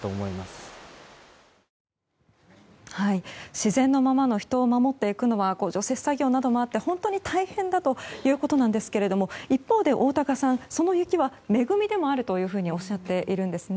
自然のままの秘湯を守っていくのは除雪作業などもあって、本当に大変だということなんですが一方で大高さんその雪は恵みでもあるとおっしゃっているんですね。